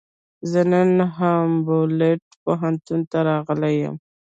زه نن هامبولټ پوهنتون ته راغلی یم.